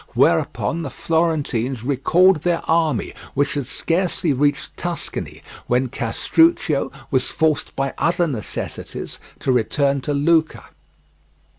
Whereupon the Florentines recalled their army, which had scarcely reached Tuscany, when Castruccio was forced by other necessities to return to Lucca.